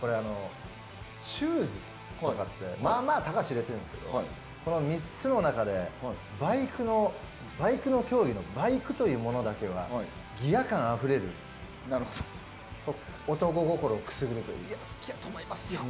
シューズとかって、まあまあたかがしれてるんですけど３つの中で競技のバイクというものだけはギア感あふれる男心くすぐるというか。